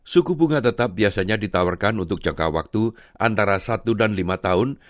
suku bunga tetap biasanya ditawarkan untuk jangka waktu antara satu dan lima tahun